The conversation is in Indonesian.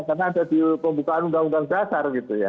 karena ada di pembukaan undang undang dasar gitu ya